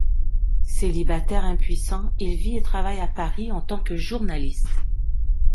Célibataire impuissant, il vit et travaille à Paris en tant que journaliste.